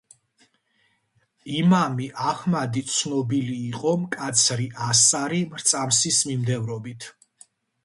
იმამი აჰმადი ცნობილი იყო მკაცრი ასარი მრწამსის მიმდევრობით.